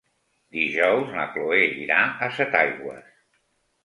Dijous na Cloè irà a Setaigües.